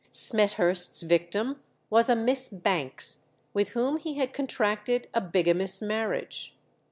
Smethurst's victim was a Miss Bankes, with whom he had contracted a bigamous marriage.